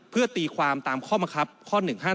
เพื่อตีความตามข้อมังคับข้อ๑๕๗